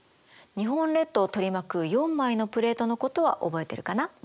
日本列島を取り巻く４枚のプレートのことは覚えてるかな？